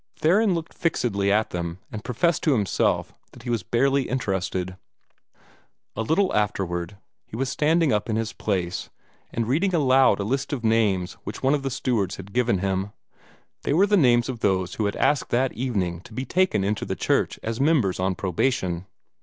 Theron looked fixedly at them, and professed to himself that he was barely interested. A little afterward, he was standing up in his place, and reading aloud a list of names which one of the stewards had given him. They were the names of those who had asked that evening to be taken into the church as members on probation.